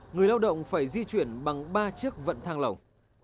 người lao động phải di chuyển bằng ba chiếc vận thang lồng